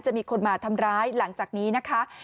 มีคนมาทำร้ายหลังจากนี้นะคะ